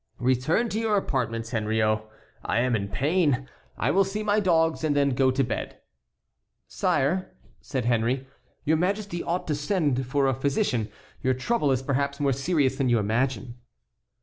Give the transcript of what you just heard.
"Return to your apartments, Henriot, I am in pain. I will see my dogs and then go to bed." "Sire," said Henry, "your Majesty ought to send for a physician. Your trouble is perhaps more serious than you imagine."